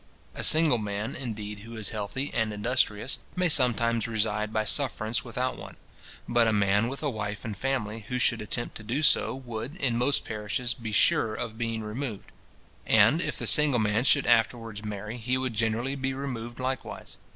A single man, indeed who is healthy and industrious, may sometimes reside by sufferance without one; but a man with a wife and family who should attempt to do so, would, in most parishes, be sure of being removed; and, if the single man should afterwards marry, he would generally be removed likewise.